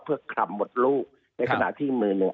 เพื่อคลำหมดลูกในขณะที่มือเนี่ย